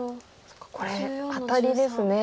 これアタリですね。